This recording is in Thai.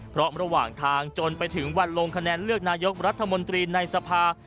เพราะระหว่างทางจนไปถึงวันลงคะแนนเลือกนายกรัฐมนตรีในสภา